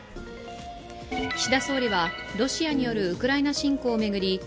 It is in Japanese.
岸田総理はロシアによるウクライナ侵攻を巡り